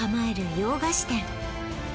洋菓子店